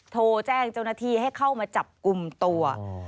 โทรแจ้งเจ้าหน้าที่ให้เข้ามาจับกลุ่มตัว